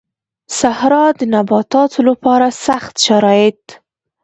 صحرا د نباتاتو لپاره سخت شرايط